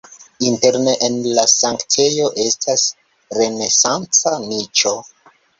Interne en la sanktejo estas renesanca niĉo.